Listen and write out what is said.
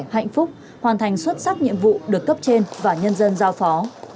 hạnh phúc hoàn thành xuất sắc nhiệm vụ được cấp trên và nhân dân giao phó